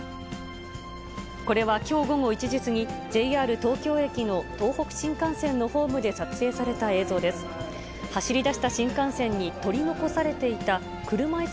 これはきょう午後１時過ぎ、ＪＲ東京駅の東北新幹線のホームで撮影された映像です。